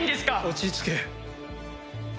落ち着け。